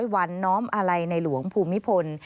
๑๐๐วันน้อมอะไรในหลวงภูมิพล